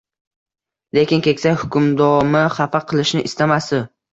lekin keksa hukmdomi xafa qilishni istamasdi.